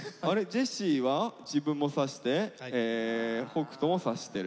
ジェシーは自分も指して北斗も指してる。